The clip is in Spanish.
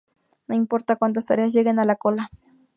No importa cuantas tareas lleguen a la cola.